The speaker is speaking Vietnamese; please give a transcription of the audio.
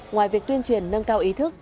ngoài việc tuyên truyền nâng cao ý thức